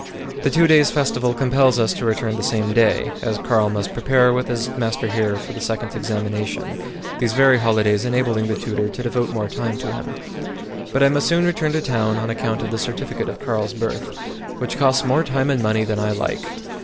The two days' festival compels us to return the same day, as Carl must prepare with his master here for the second examination, these very holidays enabling the tutor to devote more time to him; but I must soon return to town on account of the certificate of Carl's birth, which costs more time and money than I like.